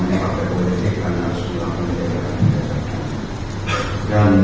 namanya pakai politik karena sudah menjaga kebijakan